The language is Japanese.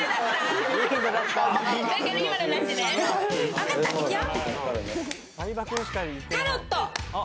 分かったいくよ。